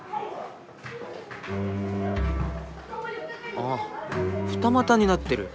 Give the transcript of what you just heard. あっ二股になってる。